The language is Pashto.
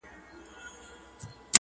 عاشقانه د رباطونو په درشل زه یم~